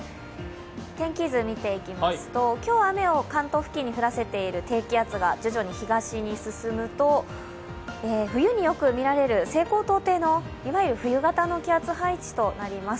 天気図、見ていきますと、今日、雨を関東付近に降らせている低気圧が徐々に東に進むと、冬によく見られる西高東低のいわゆる冬型の気圧配置となります。